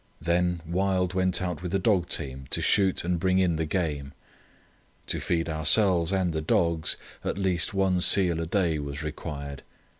Then Wild went out with a dog team to shoot and bring in the game. To feed ourselves and the dogs, at least one seal a day was required.